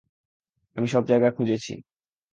আমি সব জায়গায় খুজেছি।